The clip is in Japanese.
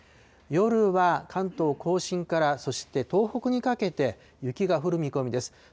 夜は関東甲信から、そして東北にかけて、雪が降る見込みです。